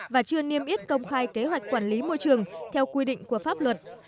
công ty niêm yết công khai kế hoạch quản lý môi trường theo quy định của pháp luật